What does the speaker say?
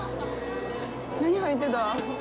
何、入ってた？